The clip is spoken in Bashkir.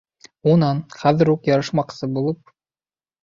Унан, хәҙер үк ярашмаҡсы булып: